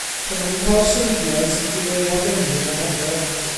Pan maen nhw'n cael seibiant nid yw eu hadenydd ar agor.